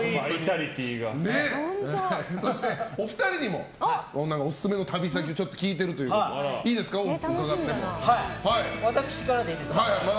そして、お二人にもオススメの旅先を聞いているということでいいですか、伺っても。